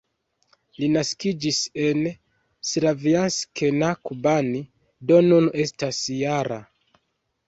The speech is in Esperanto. Li naskiĝis en Slavjansk-na-Kubani, do nun estas -jara.